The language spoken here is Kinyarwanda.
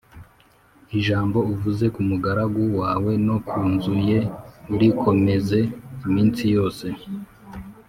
ijambo uvuze ku mugaragu wawe no ku nzu ye urikomeze iminsi yose